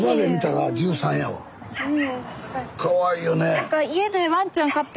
かわいいよね。